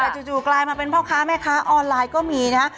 จู่กลายมาเป็นพ่อค้าแม่ค้าออนไลน์ก็มีนะฮะ